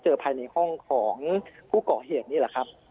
ภายในห้องของผู้เกาะเหตุนี่แหละครับ